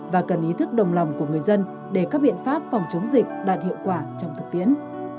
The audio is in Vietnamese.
và cần ý thức đồng lòng của người dân để các biện pháp phòng chống dịch đạt hiệu quả trong thực tiễn